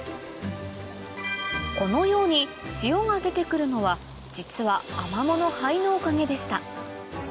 このように塩が出て来るのは実はアマモの灰のおかげでした